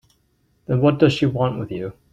Then what does she want with you?